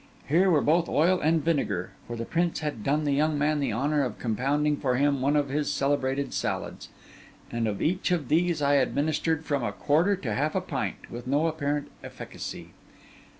Here were both oil and vinegar, for the prince had done the young man the honour of compounding for him one of his celebrated salads; and of each of these I administered from a quarter to half a pint, with no apparent efficacy.